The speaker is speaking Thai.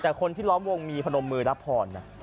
แต่คนที่ล้อมวงมีพนมมือรับพรนะ